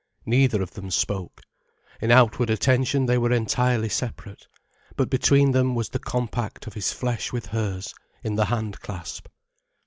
Neither of them spoke. In outward attention they were entirely separate. But between them was the compact of his flesh with hers, in the hand clasp.